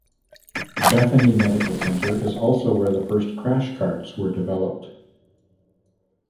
Bethany Medical Center is also where the first "crash carts" were developed.